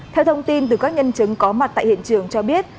theo thông tin từ các nhân chứng có mặt tại hiện trường cho biết